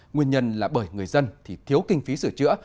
nguyên nhân là bởi người dân thì thiếu kinh phí sửa chữa